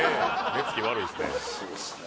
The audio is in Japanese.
目つき悪いですね